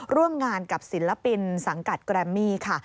ร่วมงานกับศิลปินสังกัดแกรมมี่ค่ะ